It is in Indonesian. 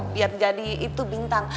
biar jadi itu bintang